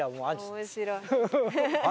面白い。